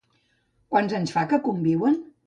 Quants anys fa que conviuen?